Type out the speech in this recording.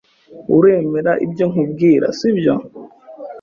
Uremera ibyo nkubwira, sibyo?